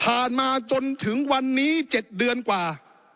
มาจนถึงวันนี้๗เดือนกว่า